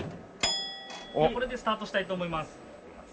これでスタートしたいと思います。